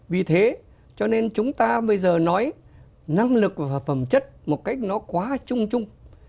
vì thế cho nên chúng ta bây giờ nói năng lực và phẩm chất một cách nó quá chung chung